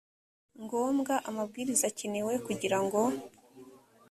ngombwa amabwiriza akenewe kugira ngo